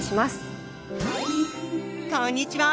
こんにちは。